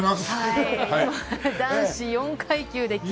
男子４階級で金。